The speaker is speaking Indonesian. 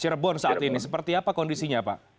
cirebon saat ini seperti apa kondisinya pak